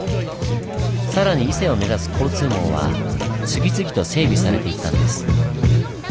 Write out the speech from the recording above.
さらに伊勢を目指す交通網は次々と整備されていったんです。